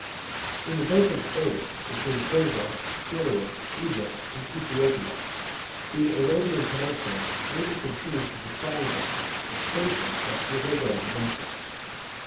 ] In the vacant space between Persia, Syria, Egypt, and Aethiopia, the Arabian peninsula 2 may be conceived as a triangle of spacious but irregular dimensions.